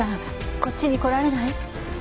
こっちに来られない？